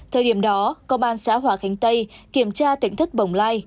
thời điểm đó công an xã hòa khánh tây kiểm tra tỉnh thất bồng lai